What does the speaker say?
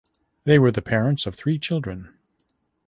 They were the parents of three children.